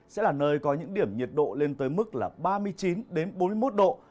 sẽ là nơi có những điểm nhiệt độ lên tới mức là ba mươi chín bốn mươi một độ